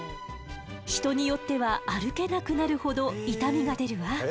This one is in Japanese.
人によっては歩けなくなるほど痛みが出るわ。